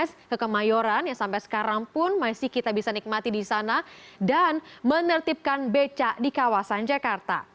saya ke kemayoran yang sampai sekarang pun masih kita bisa nikmati di sana dan menertibkan beca di kawasan jakarta